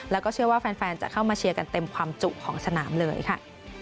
แล้วก็เชื่อว่าแฟนจะเข้ามาเชียร์กันเต็มความจุของสนามเลยค่ะ